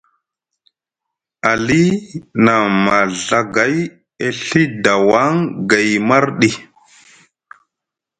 Ali na maɵagay e Ɵi dawaŋ gay marɗi.